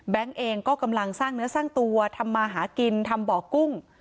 เองก็กำลังสร้างเนื้อสร้างตัวทำมาหากินทำบ่อกุ้ง